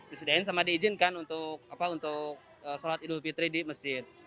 disediakan sama diizinkan untuk sholat idul fitri di masjid